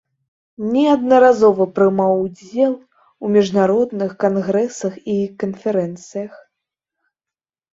Неаднаразова прымаў удзел у міжнародных кангрэсах і канферэнцыях.